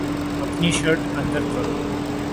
اپنی شرٹ اندر کرو